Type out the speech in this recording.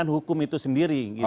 dan juga nanti kita tunggu selanjutnya